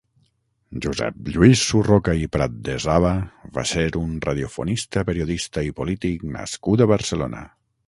Josep Lluís Surroca i Pratdesaba va ser un radiofonista, periodista i polític nascut a Barcelona.